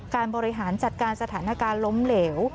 บริหารจัดการสถานการณ์ล้มเหลว